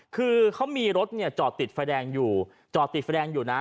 คือเขามีรถเนี่ยจอดติดไฟแดงอยู่จอดติดไฟแดงอยู่นะ